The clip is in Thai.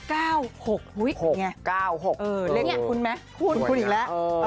เลขคุณไหมคุณคุณอีกแล้ว